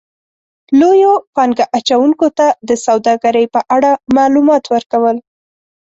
-لویو پانګه اچونکو ته د سوداګرۍ په اړه مالومات ورکو ل